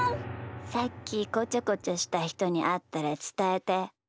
さっきこちょこちょしたひとにあったらつたえて。